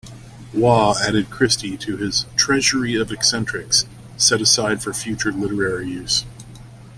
Waugh added Christie to his "treasury of eccentrics", set aside for future literary use.